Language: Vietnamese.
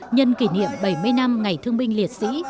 nhân kỷ niệm bảy mươi năm ngày thương binh liệt sĩ